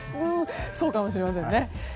そうかもしれませんね。